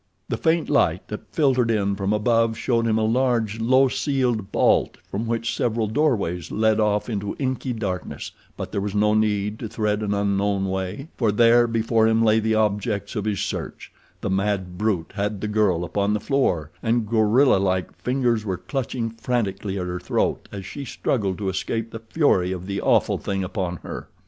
The faint light that filtered in from above showed him a large, low ceiled vault from which several doorways led off into inky darkness, but there was no need to thread an unknown way, for there before him lay the objects of his search—the mad brute had the girl upon the floor, and gorilla like fingers were clutching frantically at her throat as she struggled to escape the fury of the awful thing upon her.